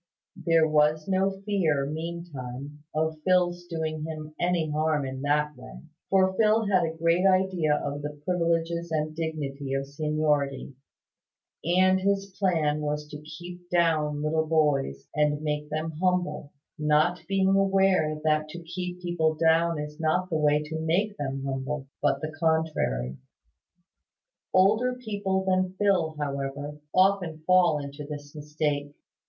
There was no fear, meantime, of Phil's doing him any harm in that way; for Phil had a great idea of the privileges and dignity of seniority; and his plan was to keep down little boys, and make them humble; not being aware that to keep people down is not the way to make them humble, but the contrary. Older people than Phil, however, often fall into this mistake.